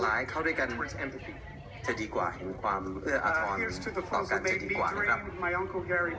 ในการทำหนังนะครับ